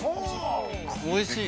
◆おいしい。